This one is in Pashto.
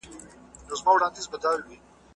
په ټولنه کي باید د بې وزلو سپکاوی ونه سي.